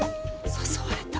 誘われた。